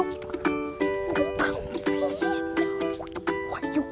มึงเปล่าสิ